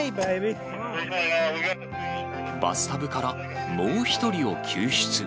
バスタブから、もう１人を救出。